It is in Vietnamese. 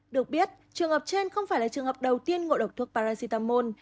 được biết trường hợp trên không phải là trường hợp đầu tiên ngộ độc thuốc paracetamol